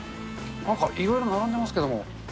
なんかいろいろ並んでますけども。